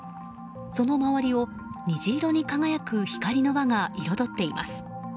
その周りを虹色に輝く光の輪が彩っています。